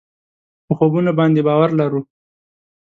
په خوبونو باندې باور لرو.